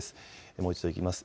もう一度いきます。